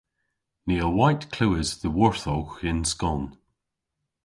Ni a wayt klewes dhyworthowgh yn skon.